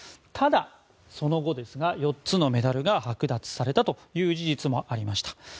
ただ、その後４つのメダルが剥奪されたという事実もありました。